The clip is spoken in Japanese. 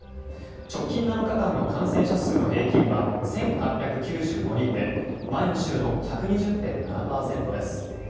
直近７日間の感染者数の平均は１８９５人で前の週の１２０．７％です。